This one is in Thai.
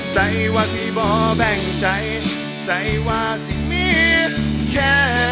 ใส่ว่าที่บ่แบ่งใจใส่ว่าสิ่งมีแค่